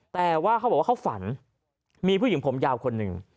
แต่ว่าเขาบอกว่าเขาฝันมีผู้หญิงผมยาวคนหนึ่ง